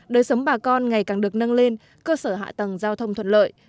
đời sống bà con ngày càng được nâng lên cơ sở hạ tầng giao thông thuận lợi